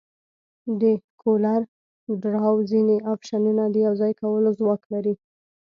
د کولر ډراو ځینې افشنونه د یوځای کولو ځواک لري.